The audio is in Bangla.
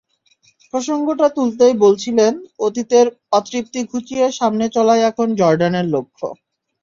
প্রসঙ্গটা তুলতেই বলছিলেন, অতীতের অতৃপ্তি ঘুচিয়ে সামনে চলাই এখন জর্ডানের লক্ষ্য।